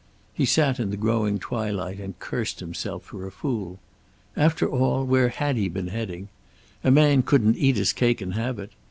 He sat in the growing twilight and cursed himself for a fool. After all, where had he been heading? A man couldn't eat his cake and have it.